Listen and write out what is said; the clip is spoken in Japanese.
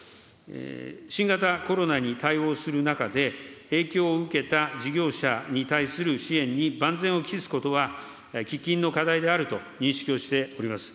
新型コロナに対応する中で、影響を受けた事業者に対する支援に万全を期すことは、喫緊の課題であると認識をしております。